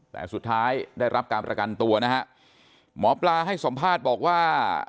แต่สุดท้ายได้รับการประกันตัวนะฮะหมอปลาให้สัมภาษณ์บอกว่า